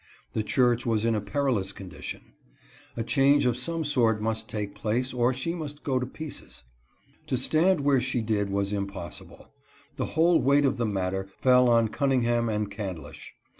The church was in a perilous condition. A change of some sort must take place, or she must go to pieces. To stand where she did was impossible. The whole weight of the matter fell on Cunningham and Candlish.